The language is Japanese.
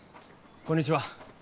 こんにちは。